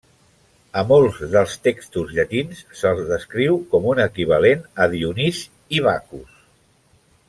A molts dels textos llatins se'l descriu com un equivalent a Dionís i Baccus.